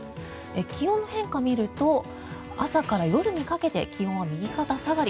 気温の変化を見ると朝から夜にかけて気温は右肩下がり。